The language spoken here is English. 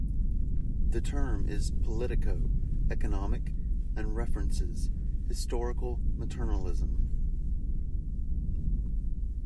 The term is politico-economic, and references historical materialism.